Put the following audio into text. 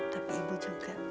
tapi ibu juga